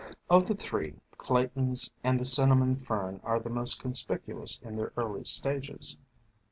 Of the three, Clayton's and the Cinnamon Fern are the most conspicuous in their early stages.